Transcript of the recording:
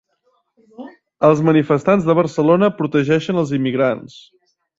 Els manifestants de Barcelona protegeixen els immigrants